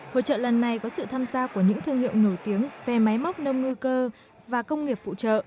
hội trợ lần này có sự tham gia của những thương hiệu nổi tiếng về máy móc nông ngư cơ và công nghiệp phụ trợ